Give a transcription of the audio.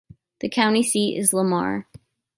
The county seat is Lamar.